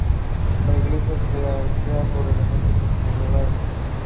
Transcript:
The duo also had an accompanying group.